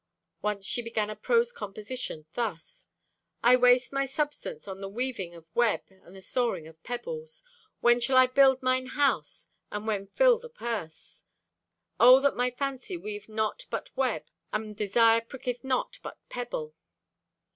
Once she began a prose composition thus: "I waste my substance on the weaving of web and the storing of pebbles. When shall I build mine house, and when fill the purse? Oh, that my fancy weaved not but web, and desire pricketh not but pebble!"